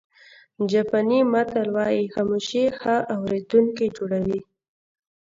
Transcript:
جاپاني متل وایي خاموشي ښه اورېدونکی جوړوي.